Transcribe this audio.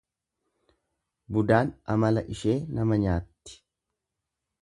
Budaan amala ishee nama nyaatti.